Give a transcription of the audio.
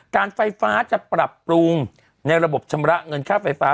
การไฟฟ้าจะปรับปรุงในระบบชำระเงินค่าไฟฟ้า